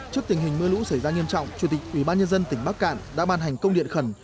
trước tình hình mưa lũ xảy ra nghiêm trọng chủ tịch ubnd tỉnh bắc cạn đã ban hành công điện khẩn